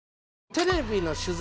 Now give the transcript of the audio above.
テレビの取材